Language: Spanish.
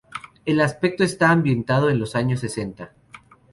El espectáculo está ambientado en los años sesenta.